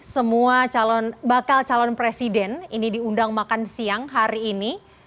semua bakal calon presiden ini diundang makan siang hari ini